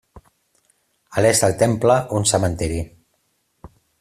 A l'est del temple un cementiri.